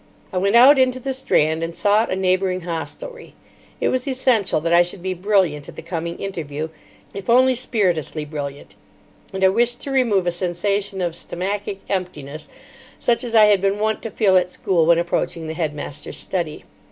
I went out into the Strand, and sought a neighbouring hostelry. It was essential that I should be brilliant at the coming interview, if only spirituously brilliant; and I wished to remove a sensation of stomachic emptiness, such as I had been wont to feel at school when approaching the headmaster's study.